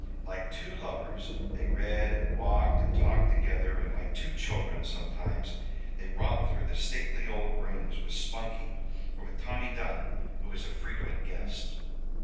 Like two lovers they read and walked and talked together, and like two children, sometimes, they romped through the stately old rooms with Spunkie, or with Tommy Dunn, who was a frequent guest.